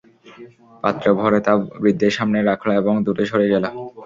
পাত্র ভরে তা বৃদ্ধের সামনে রাখল এবং দূরে সরে গেল।